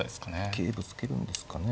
桂ぶつけるんですかね。